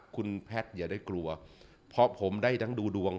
คุณแพทย์อย่าได้กลัวเพราะผมได้ทั้งดูดวง